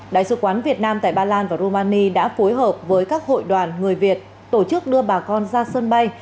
đại sứ quán việt nam tại ba lan và rumani đã phối hợp với các hội đoàn người việt tổ chức đưa bà con ra sân bay